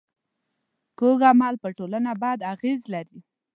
کوږ عمل پر ټولنه بد اغېز لري